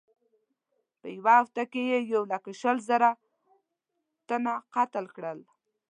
په یوه هفته کې یې یو لک شل زره تنه قتل کړل.